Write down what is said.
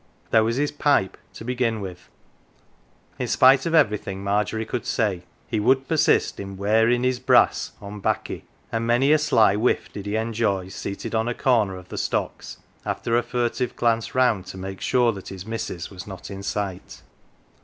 There was his pipe, to begin with. In spite of everything Margery could say he would persist in " wearin' his brass " on baccy, and many a sly whiff did he enjoy seated on a corner of the stocks after a furtive glance round to make sure that his " missus " was not in sight.